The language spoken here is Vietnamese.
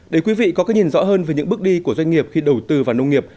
để quý vị có cái nhìn rõ hơn về những bước đi của doanh nghiệp khi đầu tư vào nông nghiệp